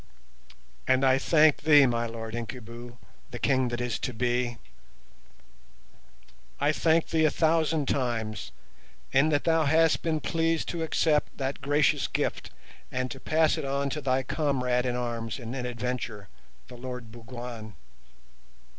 And I thank thee, my Lord Incubu—the King that is to be—I thank thee a thousand times in that thou hast been pleased to accept that gracious gift, and to pass it on to thy comrade in arms and in adventure, the Lord Bougwan.